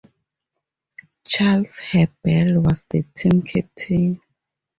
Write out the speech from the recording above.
Charles Hubbell was the team captain.